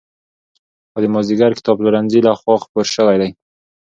او د مازدېګر کتابپلورنځي له خوا خپور شوی دی.